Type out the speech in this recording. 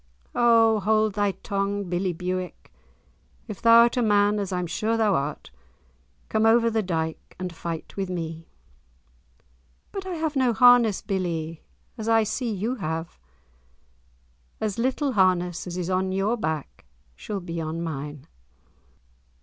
"O hold thy tongue, billie Bewick. If thou'rt a man, as I'm sure thou art, come over the dyke and fight with me." "But I have no harness, billie, as I see you have." "As little harness as is on your back shall be on mine."